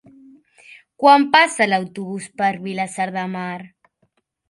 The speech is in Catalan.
Quan passa l'autobús per Vilassar de Mar?